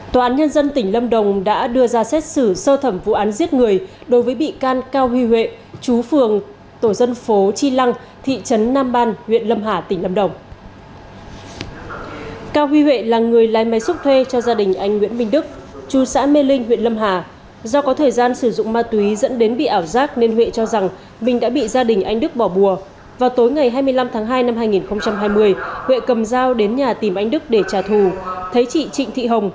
tòa án nhân dân tỉnh lâm đồng đã đưa ra xét xử sơ thẩm vụ án giết người đối với bị can cao huy huệ chú phường tổ dân phố chi lăng thị trấn nam ban huyện lâm hả tỉnh lâm đồng